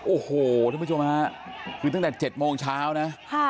โอ้โหท่านผู้ชมฮะคือตั้งแต่๗โมงเช้านะ